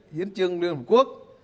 hiến trương liên hợp quốc